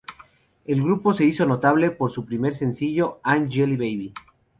El grupo se hizo notable por su primer sencillo, "I'm Jelly Baby.